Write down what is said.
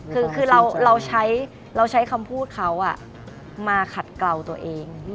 คือเราใช้คำพูดเขามาขัดเกลาตัวเอง